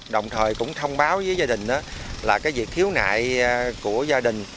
đồng thời cũng thông báo với gia đình là việc thiếu nại của gia đình